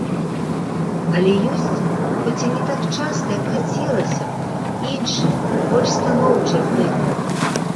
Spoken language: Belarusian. Але ёсць, хоць і не так часта, як хацелася б, іншыя, больш станоўчыя прыклады.